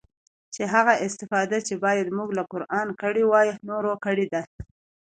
چې هغه استفاده چې بايد موږ له قرانه کړې واى نورو کړې ده.